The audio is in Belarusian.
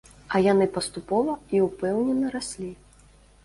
А яны паступова і ўпэўнена раслі.